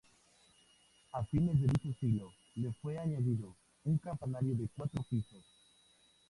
A fines de dicho siglo le fue añadido un campanario de cuatro pisos.